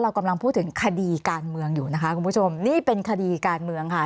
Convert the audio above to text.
กำลังพูดถึงคดีการเมืองอยู่นะคะคุณผู้ชมนี่เป็นคดีการเมืองค่ะ